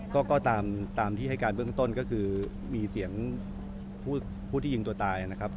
ก็ตามที่ให้การเบื้องต้นก็คือมีเสียงผู้ที่ยิงตัวตายนะครับ